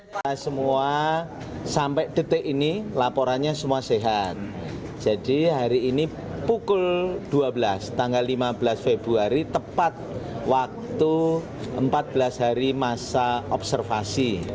kita semua sampai detik ini laporannya semua sehat jadi hari ini pukul dua belas tanggal lima belas februari tepat waktu empat belas hari masa observasi